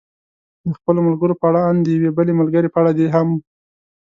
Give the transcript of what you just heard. د خپلو ملګرو په اړه، ان د یوې بلې ملګرې په اړه دې هم.